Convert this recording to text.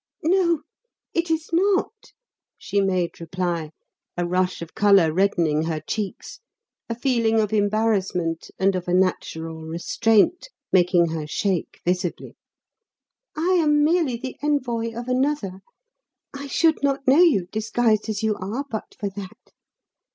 "No, it is not," she made reply, a rush of colour reddening her cheeks, a feeling of embarrassment and of a natural restraint making her shake visibly. "I am merely the envoy of another. I should not know you, disguised as you are, but for that.